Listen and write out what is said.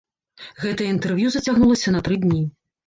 Гэтае інтэрв'ю зацягнулася на тры дні.